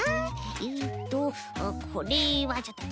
えっとこれはちょっとちがう。